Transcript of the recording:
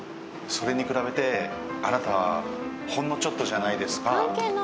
それに比べてあなたほんのちょっとじゃないですか。